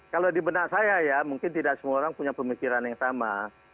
kalau di benak saya ya mungkin tidak semua orang punya pemikiran yang sama